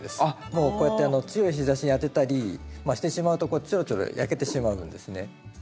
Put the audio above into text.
もうこうやって強い日ざしに当てたりしてしまうとこうやってちょろちょろ焼けてしまうんですね。